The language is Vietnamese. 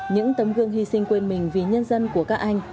những tấm gương hy sinh quên mình vì nhân dân của các anh